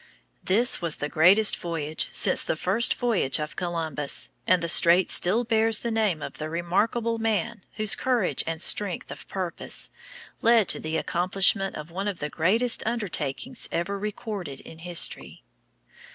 This was the greatest voyage since the first voyage of Columbus, and the strait still bears the name of the remarkable man whose courage and strength of purpose led to the accomplishment of one of the greatest undertakings ever recorded in history.